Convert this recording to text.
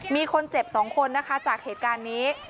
มีคนเจ็บ๒คนนะคะจากเหตุการณ์นี้